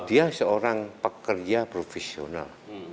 dia seorang pekerja profesional